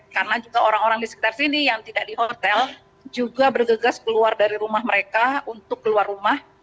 karena juga orang orang di sekitar sini yang tidak di hotel juga bergegas keluar dari rumah mereka untuk keluar rumah